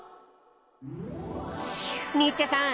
ニッチェさん